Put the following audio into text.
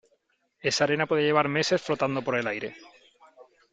esa arena puede llevar meses flotando por el aire .